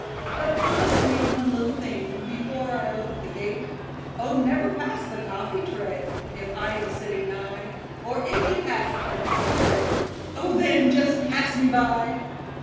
But promise me one little thing Before I ope the gate: Oh, never pass the coffee tray, If I am sitting nigh; Or, if you pass the coffee tray, Oh, then, just pass me by!'"